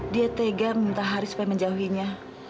dia tega minta hari supaya menjauhinya